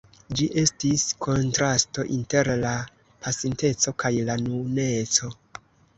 Ĝi estis kontrasto inter la pasinteco kaj la nuneco.